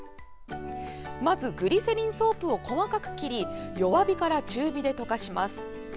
まず、グリセリンソープを細かく切り弱火から中火で溶かします。